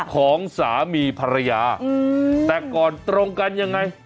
ของสามีภรรยาแต่ก่อนตรงกันยังไง